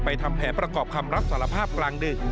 ทำแผนประกอบคำรับสารภาพกลางดึก